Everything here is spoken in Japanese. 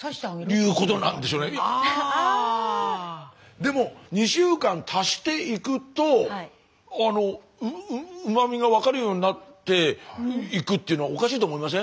でも２週間足していくとうま味が分かるようになっていくっていうのはおかしいと思いません？